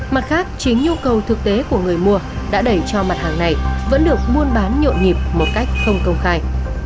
mặt khác chính nhu cầu thực tế của người mua đã đẩy cho mặt hàng này vẫn được buôn bán nhộn nhịp một cách không công khai